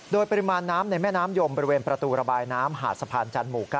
โดยปริมาณน้ำในแม่น้ำยมบริเวณประตูระบายน้ำหาดสะพานจันทร์หมู่๙